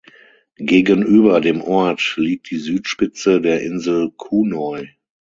Gegenüber dem Ort liegt die Südspitze der Insel Kunoy.